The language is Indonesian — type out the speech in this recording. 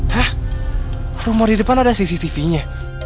hah rumor di depan ada cctv nya